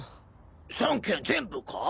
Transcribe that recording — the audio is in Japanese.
３件全部か！？